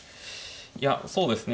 いやそうですね。